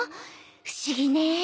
不思議ね。